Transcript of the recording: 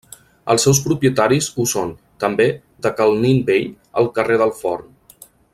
Els seus propietaris ho són, també, de Cal Nin Vell, al carrer del Forn.